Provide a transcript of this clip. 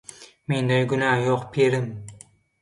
– Mеndе günä ýok pirim.